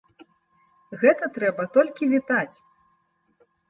Гэта трэба толькі вітаць.